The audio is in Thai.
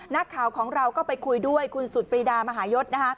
นักข่าวของเราก็ไปคุยด้วยคุณสุดปรีดามหายศ